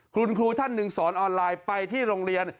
คุณครูท่านหนึ่งสอนออนไลน์ไปที่โรงเรียน